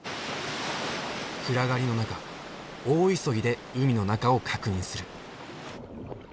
暗がりの中大急ぎで海の中を確認する。